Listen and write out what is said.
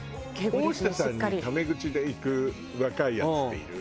大下さんにタメ口でいく若いヤツっている？